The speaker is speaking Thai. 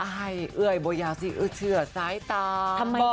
อ่ายเอ่ยบ่อยาซีเอ่ยเชื่อซ้ายตา